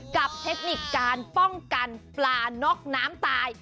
เทคนิคการป้องกันปลาน็อกน้ำตาย